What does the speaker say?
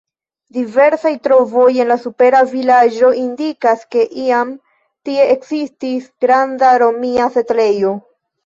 Diversaj trovoj en la supera vilaĝo indikas, ke iam tie ekzistis granda romia setlejo.